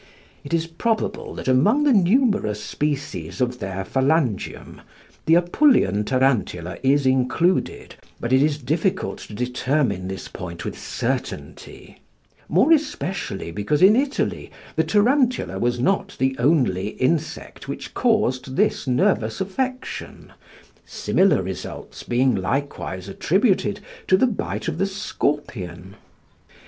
It is probable that among the numerous species of their phalangium, the Apulian tarantula is included, but it is difficult to determine this point with certainty, more especially because in Italy the tarantula was not the only insect which caused this nervous affection, similar results being likewise attributed to the bite of the scorpion.